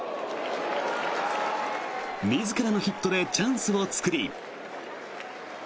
自らのヒットでチャンスを作り。